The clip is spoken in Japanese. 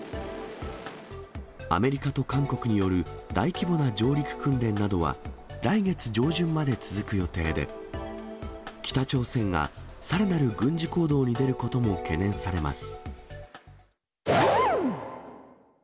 アメリカと韓国による大規模な上陸訓練などは、来月上旬まで続く予定で、北朝鮮がさらなる軍事行動に出ることも懸念されます。